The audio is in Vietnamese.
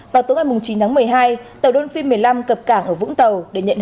vào tối ngày chín tháng một mươi hai tàu đôn phi một mươi năm cập cảng ở vũng tàu